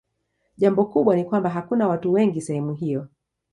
Jambo kubwa ni kwamba hakuna watu wengi sehemu hiyo.